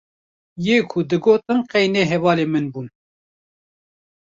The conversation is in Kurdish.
yê ku digotin qey ne hevalê min bûn